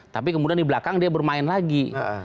tapi kemudian di belakang dia bermain lagi